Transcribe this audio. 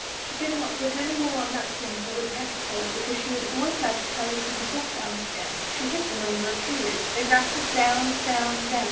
She did not put any more nuts into the woodpecker's hole, because she had always doubted how they could be got out again. She hid them under a tree root; they rattled down, down, down.